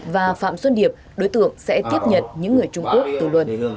và phạm xuân điệp đối tượng sẽ tiếp nhận những người trung quốc từ luật